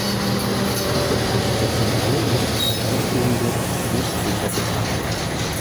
Ob es sich bis in alle Ewigkeit ausdehnen wird, ist nicht sicher bekannt.